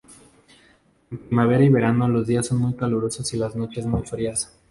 En primavera y verano, los días son muy calurosos y las noches muy frías.